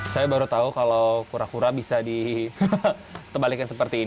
saya baru tahu kalau kura kura bisa dikebalikin seperti ini